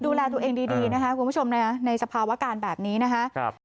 ดูแลตัวเองดีนะคะคุณผู้ชมนะในสภาวะการแบบนี้นะคะ